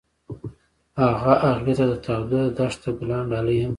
هغه هغې ته د تاوده دښته ګلان ډالۍ هم کړل.